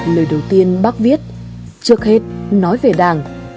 lời đầu tiên bác viết trước hết nói về đảng